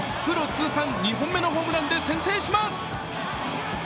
通算２本目のホームランで先制します。